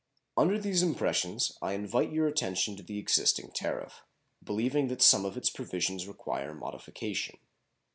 Under these impressions I invite your attention to the existing tariff, believing that some of its provisions require modification.